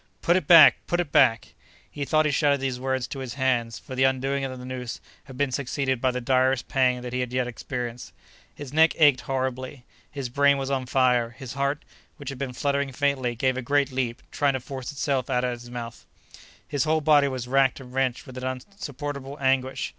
"Put it back, put it back!" He thought he shouted these words to his hands, for the undoing of the noose had been succeeded by the direst pang that he had yet experienced. His neck ached horribly; his brain was on fire, his heart, which had been fluttering faintly, gave a great leap, trying to force itself out at his mouth. His whole body was racked and wrenched with an insupportable anguish!